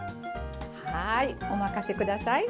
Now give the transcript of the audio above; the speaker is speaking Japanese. はいお任せください。